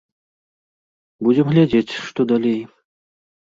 Будзем глядзець, што далей.